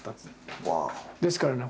ですからね